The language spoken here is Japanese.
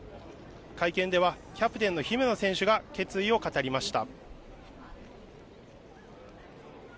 会見ではキャプテンの姫野選手が決意を語りました。